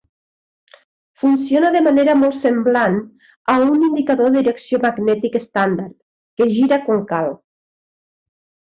Funciona de manera molt semblant a un indicador de direcció magnètic estàndard, que gira quan cal.